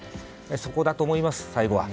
そこだと思います、最後は。